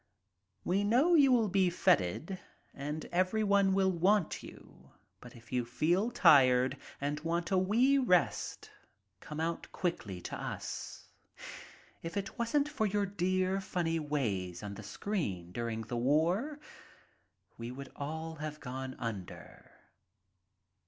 We know you will be fdted, and everyone will want you, but if you feel tired and want a wee rest come out quietly to us. If it wasn't for your dear funny ways bn the screen during the war we would all have gone under."